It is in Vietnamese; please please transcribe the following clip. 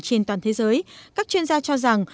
trên toàn thế giới các chuyên gia cho rằng